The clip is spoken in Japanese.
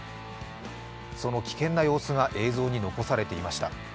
その危険な様子が映像に残されていました。